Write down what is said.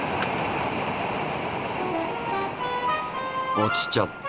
落ちちゃった。